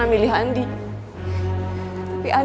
karena lo ngerasa gue bermain